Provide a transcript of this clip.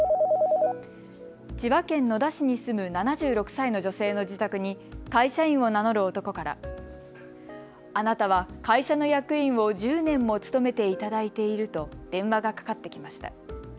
千葉県野田市に住む７６歳の女性の自宅に会社員を名乗る男からあなたは会社の役員を１０年も務めていただいていると電話がかかってきました。